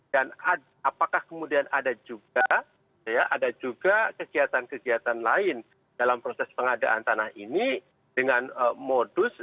dan apakah kemudian ada juga kegiatan kegiatan lain dalam proses pengadaan tanah ini dengan modus